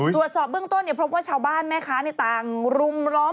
ตรวจสอบเบื้องต้นพบว่าชาวบ้านแม่ค้าต่างรุมล้อม